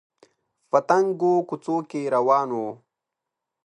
په تنګو کوڅو کې روان و